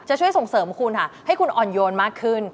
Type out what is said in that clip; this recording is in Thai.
ช่วยส่งเสริมคุณค่ะให้คุณอ่อนโยนมากขึ้น